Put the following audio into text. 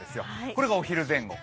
これがお昼前後。